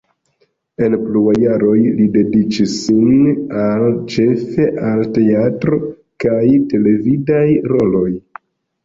En pluaj jaroj li dediĉis sin al ĉefe al teatro kaj televidaj roloj.